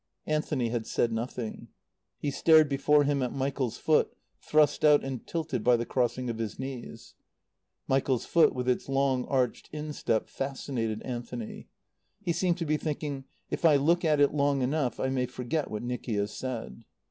Anthony had said nothing. He stared before him at Michael's foot, thrust out and tilted by the crossing of his knees. Michael's foot, with its long, arched instep, fascinated Anthony. He seemed to be thinking: "If I look at it long enough I may forget what Nicky has said."